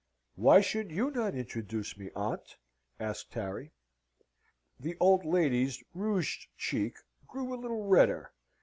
"Why should you not introduce me, aunt?" asked Harry. The old lady's rouged cheek grew a little redder.